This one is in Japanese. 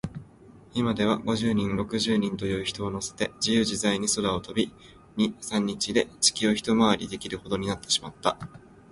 いまでは、五十人、六十人という人をのせて、じゆうじざいに空を飛び、二、三日で地球をひとまわりできるほどになってしまった。